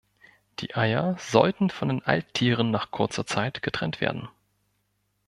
Die Eier sollten von den Alttieren nach kurzer Zeit getrennt werden.